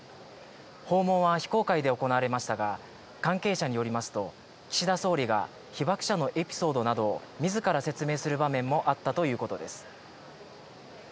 訪問は非公開で行われましたが、関係者によりますと、岸田総理が被爆者のエピソードなどをみずから説明する場面もあったということです。